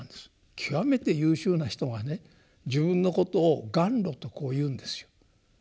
極めて優秀な人がね自分のことを頑魯とこう言うんですよ。